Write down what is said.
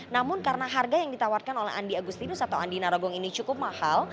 namun karena harga yang ditawarkan oleh andi agustinus atau andi narogong ini cukup mahal